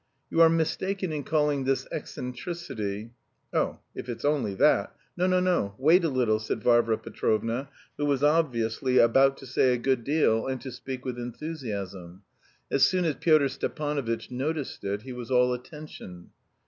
"You are mistaken in calling this eccentricity...." "Oh, if it's only that...." "No, no, no, wait a little," said Varvara Petrovna, who was obviously about to say a good deal and to speak with enthusiasm. As soon as Pyotr Stepanovitch noticed it, he was all attention.